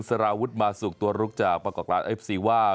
สารวุฒิมาสุกตัวลุกจากปรากฏการณเอฟซีว่า